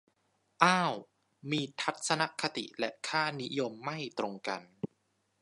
อ้าวมีทัศนคติและค่านิยมไม่ตรงกัน